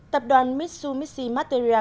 tập đoàn mitsumishi matsumoto